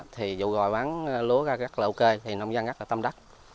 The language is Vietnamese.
thì dụ gọi bán lúa ra rất là ok thì nông dân rất là tâm đắc